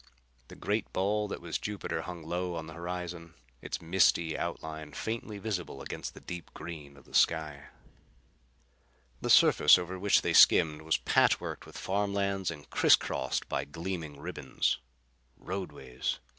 The great ball that was Jupiter hung low on the horizon, its misty outline faintly visible against the deep green of the sky. The surface over which they skimmed was patchworked with farm lands and crisscrossed by gleaming ribbons. Roadways!